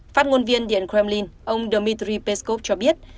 phát ngôn viên điện kremlin ông dmitry peskov cho biết